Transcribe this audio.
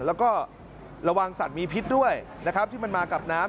แล้วก็ระวังสัตว์มีพิษด้วยนะครับที่มันมากับน้ำ